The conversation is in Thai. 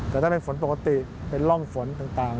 แต่ถ้าเป็นฝนปกติเป็นร่องฝนต่าง